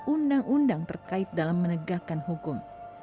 undang undang terkait dalam menegakkan hukum